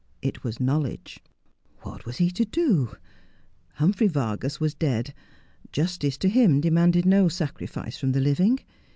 It was knowledge. What was he to do ? Humphrey Vargas was dead. Justice to him demanded no sacrifice from the living.